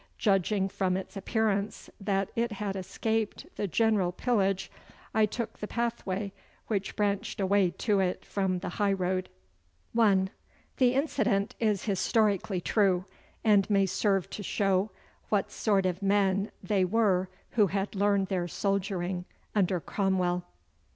Judging from its appearance that it had escaped the general pillage, I took the pathway which branched away to it from the high road. (Note J, Appendix) 1. The incident is historically true, and may serve to show what sort of men they were who had learned their soldiering under Cromwell.